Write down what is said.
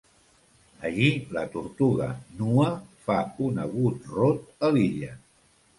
Allí la tortuga, nua, fa un agut rot a l'illa.